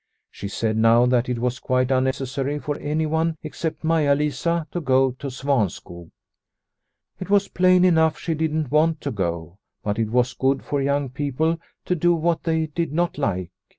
She said now that it was quite unnecessary for anyone except Maia Lisa to go to Svanskog. It was plain enough she didn't want to go, but it was good for young people to do what they did not like.